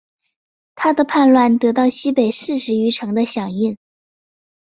他的叛乱得到西北四十余城的响应。